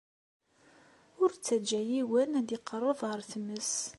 Ur ttaǧǧa yiwen ad iqeṛṛeb ar tmes.